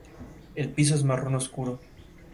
El piso es marrón oscuro.